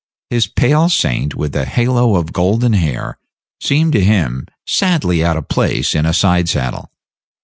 His pale saint with the halo of golden hair seemed to him sadly out of place in a side saddle.